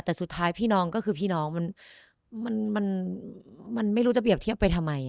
แต่สุดท้ายพี่น้องก็คือพี่น้องมันไม่รู้จะเปรียบเทียบไปทำไม